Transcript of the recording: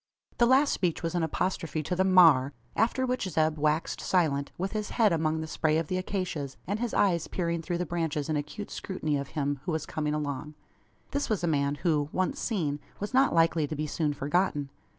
The last speech was an apostrophe to the "maar" after which Zeb waxed silent, with his head among the spray of the acacias, and his eyes peering through the branches in acute scrutiny of him who was coming along. This was a man, who, once seen, was not likely to be soon forgotten.